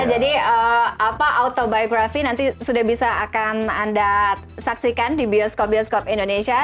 jadi autobiografi nanti sudah bisa akan anda saksikan di bioskop bioskop indonesia